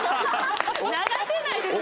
流せないです